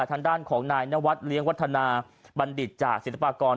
ทางด้านของนายนวัดเลี้ยงวัฒนาบัณฑิตจากศิลปากร